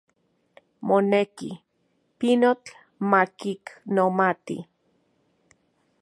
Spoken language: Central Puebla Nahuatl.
Moneki, pinotl makiknomati.